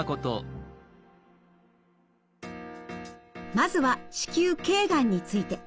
まずは子宮頸がんについて。